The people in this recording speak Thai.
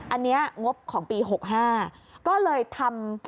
อันนี้งบของปี๖๕ก็เลยทำ